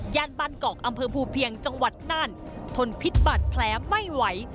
บ้านกอกอำเภอภูเพียงจังหวัดนั่นทนพิษบัตรแผลไม่ไหว